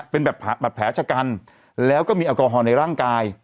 เป็นแบบแผลชะกันแล้วก็มีแอลกอฮอลในร่างกาย